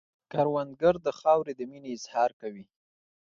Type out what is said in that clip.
کروندګر د خاورې د مینې اظهار کوي